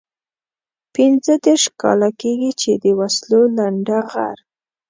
پنځه دېرش کاله کېږي چې د وسلو لنډه غر.